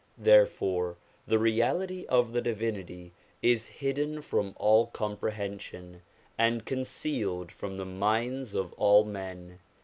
Therefore the Reality of the Divinity is hidden from all comprehension, and con cealed from the minds of all men.